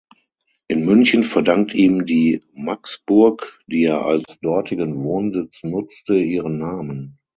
In München verdankt ihm die Maxburg, die er als dortigen Wohnsitz nutzte, ihren Namen.